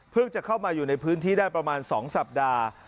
จะเข้ามาอยู่ในพื้นที่ได้ประมาณ๒สัปดาห์